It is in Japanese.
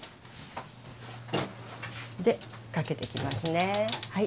でかけていきますねはい。